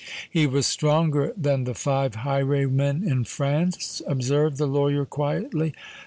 "He was stronger than the five highwaymen in France," observed the lawyer quietly.